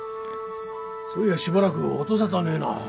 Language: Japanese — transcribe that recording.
そういやしばらく音沙汰ねえな。